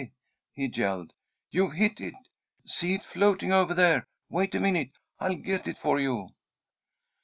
he yelled. "You've hit it! See it floating over there! Wait a minute. I'll get it for you!"